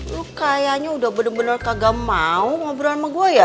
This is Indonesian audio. lu kayaknya udah bener bener kagak mau ngobrol sama gue ya